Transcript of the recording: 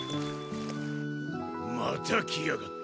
また来やがった。